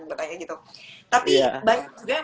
katanya gitu tapi banyak juga yang